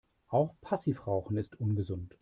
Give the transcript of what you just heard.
Auch Passivrauchen ist ungesund.